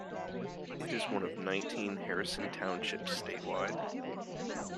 It is one of nineteen Harrison Townships statewide.